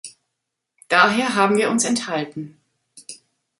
Daher haben wir uns enthalten.